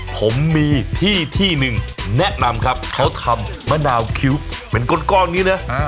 ผมมีที่หนึ่งแนะนำครับเขาทำมะนาวคิวเป็นก้นกล้องนี้เนี่ย